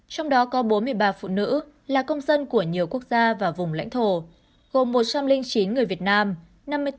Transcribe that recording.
trong đó có bốn mươi ba phụ nữ là công dân của nhiều quốc gia và vùng lãnh thổ gồm một trăm linh chín người việt nam